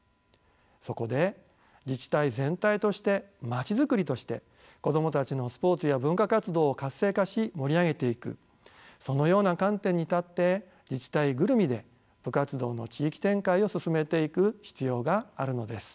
そこで自治体全体としてまちづくりとして子供たちのスポーツや文化活動を活性化し盛り上げていくそのような観点に立って自治体ぐるみで部活動の地域展開を進めていく必要があるのです。